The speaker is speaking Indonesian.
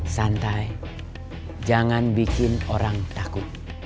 santai jangan bikin orang takut